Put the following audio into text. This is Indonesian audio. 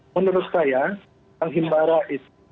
menurut saya bank himbara itu